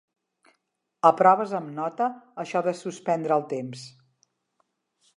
Aproves amb nota això de suspendre el temps.